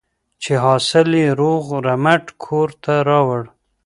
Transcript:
چې حاصل یې روغ رمټ کور ته راوړ.